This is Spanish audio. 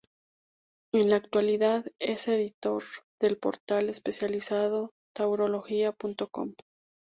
En la actualidad es editor del portal especializado taurologia.com.